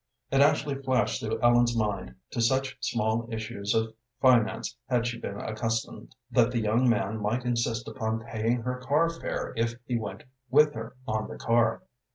It actually flashed through Ellen's mind to such small issues of finance had she been accustomed that the young man might insist upon paying her car fare if he went with her on the car.